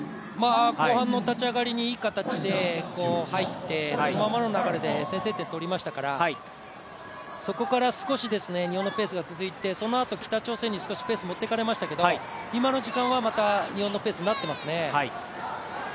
後半の立ち上がりにいい形で入って、そのままの流れで先制点取りましたからそこから少し日本のペースが続いて、そのあと北朝鮮に少しペースを持っていかれましたけど今の時間はまた日本のペースになってますね。